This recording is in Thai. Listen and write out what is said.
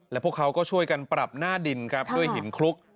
และพวกเขาก็ช่วยกันปรับหน้าดินครับด้วยหินคลุก